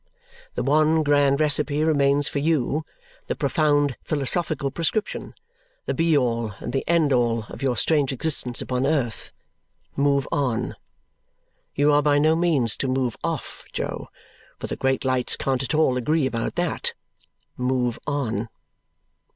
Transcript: The one grand recipe remains for you the profound philosophical prescription the be all and the end all of your strange existence upon earth. Move on! You are by no means to move off, Jo, for the great lights can't at all agree about that. Move on!